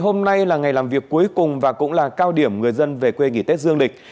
hôm nay là ngày làm việc cuối cùng và cũng là cao điểm người dân về quê nghỉ tết dương lịch